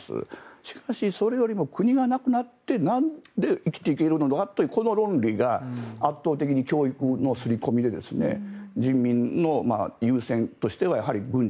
しかし、それよりも国がなくなってなんで生きていけるのかというこの論理が圧倒的に教育の刷り込みで人民の優先としてはやはり軍事。